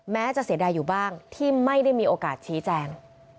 แม้จะเสียดายอยู่บ้างที่ไม่ได้มีโอกาสชี้แจง